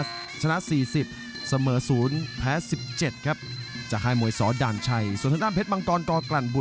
เสมอ๐แพ้๑๗ครับ